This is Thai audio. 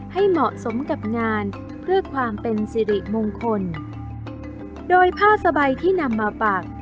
ให้เหมาะสมกับงานเพื่อความเป็นสิริมงคลโดยผ้าสบายที่นำมาปัก